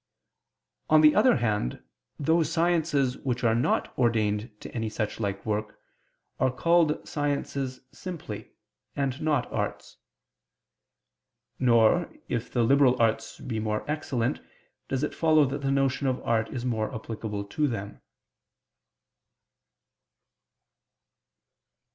On the other hand, those sciences which are not ordained to any such like work, are called sciences simply, and not arts. Nor, if the liberal arts be more excellent, does it follow that the notion of art is more applicable to them.